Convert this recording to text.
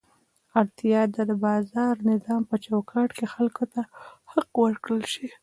اړتیا ده د بازار نظام په چوکاټ کې خلکو ته حق ورکړل شي.